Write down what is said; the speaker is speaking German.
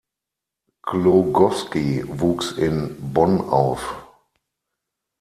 Glogowski wuchs in Bonn auf.